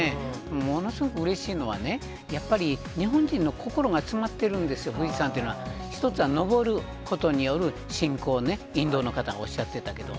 ものすごくうれしいのはね、やっぱり日本人の心が詰まってるんですよ、富士山っていうのは、１つは登ることによる信仰ね、インドの方がおっしゃってたけど。